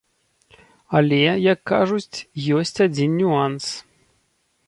Але, як кажуць, ёсць адзін нюанс.